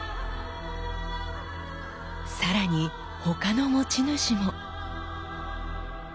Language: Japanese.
更に他の持ち主も。